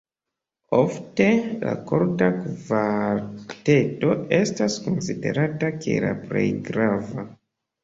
Ofte la korda kvarteto estas konsiderata kiel la plej grava.